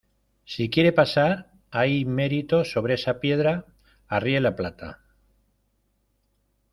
si quiere pasar, ahí merito , sobre esa piedra , arríe la plata.